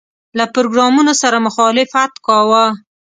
له پروګرامونو سره مخالفت کاوه.